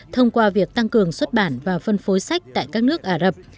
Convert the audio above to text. thông qua việc tăng cường xuất bản và phân phối sách tại các nước ả rập